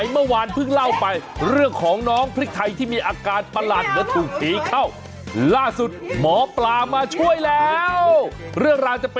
มาร่วมกันมันกว่าคุณผู้ชม